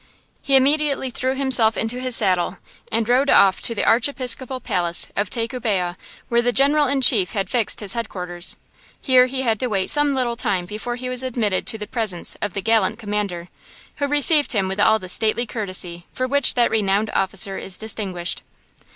He immediately threw himself into his saddle and rode off to the Archiepiscopal palace of Tacubaya, where the General in Chief had fixed his headquarters. Here he had to wait some little time before he was admitted to the presence of the gallant commander, who received him with all the stately courtesy for which that renowned officer is distinguished.